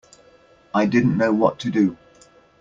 I didn't know what to do.